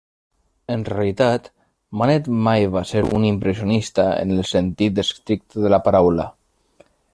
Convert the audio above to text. En realitat, Manet mai va ser un impressionista en el sentit estricte de la paraula.